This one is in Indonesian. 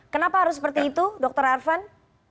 kenapa harus seperti itu dr ervan